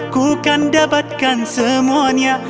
ku kan dapatkan semuanya